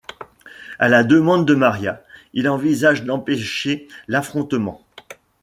À la demande de Maria, il envisage d'empêcher l'affrontement.